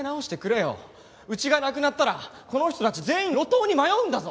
うちがなくなったらこの人たち全員路頭に迷うんだぞ！